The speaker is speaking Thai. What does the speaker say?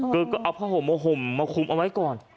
คือก็เอาผ้าห่มมาห่มมาคุมเอาไว้ก่อน